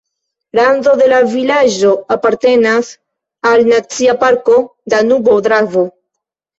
Rando de la vilaĝo apartenas al Nacia parko Danubo-Dravo.